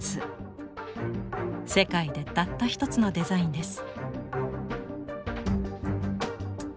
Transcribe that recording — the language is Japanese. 世界でたった一つのデザインです。